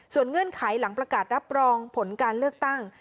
เงื่อนไขหลังประกาศรับรองผลการเลือกตั้ง